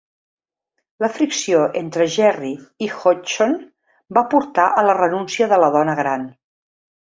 La fricció entre Gerrie i Hodgson va portar a la renúncia de la dona gran.